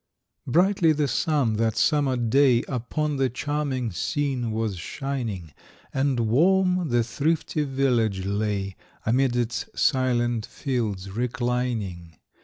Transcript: Brightly the sun that summer day Upon the charming scene was shining, And warm the thrifty village lay, Amid its silent fields reclining.